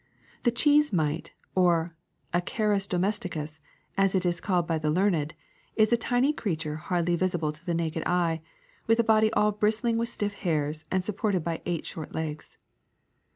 The cheese mite, or acarus domesticus, as it is called by the learned, is a tiny creature hardly visible to the naked eye, with a body all bristling with stiff hairs and supported by eight short legs.